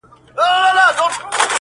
• هغه دي مړه سي زموږ نه دي په كار.